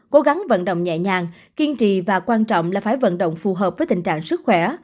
cố gắng vận động nhẹ nhàng kiên trì và quan trọng là phải vận động phù hợp với tình trạng sức khỏe